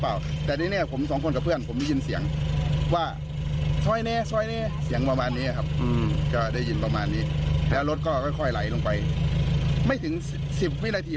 เขาทุกกระจกแต่มันทุกไม่ได้รถก็ไหลลงไป